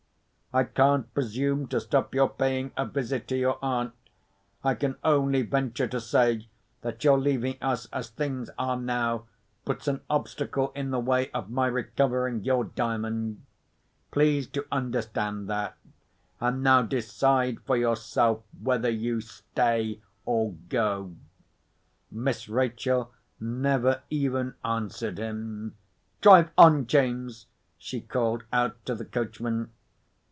I can't presume to stop your paying a visit to your aunt. I can only venture to say that your leaving us, as things are now, puts an obstacle in the way of my recovering your Diamond. Please to understand that; and now decide for yourself whether you go or stay." Miss Rachel never even answered him. "Drive on, James!" she called out to the coachman.